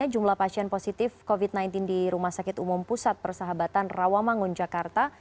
jumlah pasien positif covid sembilan belas di rumah sakit umum pusat persahabatan rawamangun jakarta